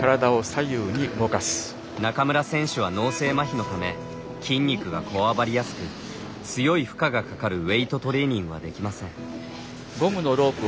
中村選手は脳性まひのため筋肉がこわばりやすく強い負荷がかかるウエイトトレーニングはできません。